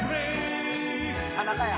田中や。